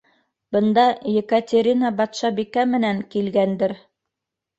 Бында Екатерина батшабикә менән килгәндер...